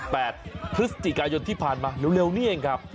แปดพฤศจิกายนที่ผ่านมาเร็วนี้เองครับ